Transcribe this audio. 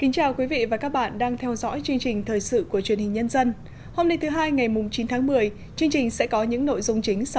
chào mừng quý vị đến với bộ phim hãy nhớ like share và đăng ký kênh của chúng mình nhé